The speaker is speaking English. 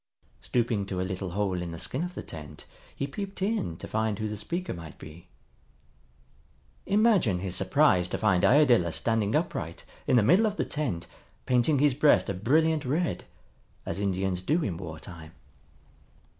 Stooping to a little hole in the skin of the tent he peeped in to find who the speaker might be. Imagine his surprise to find Iadilla standing upright in the middle of the tent painting his breast a brilliant red, as Indians do in war time.